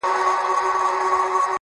زما له لاسه په عذاب ټول انسانان دي؛